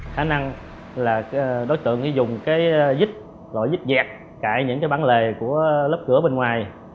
khả năng là đối tượng dùng dít loại dít dẹt cãi những bắn lề của lớp cửa bên ngoài